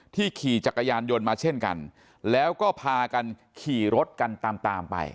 ขี่จักรยานยนต์มาเช่นกันแล้วก็พากันขี่รถกันตามตามไป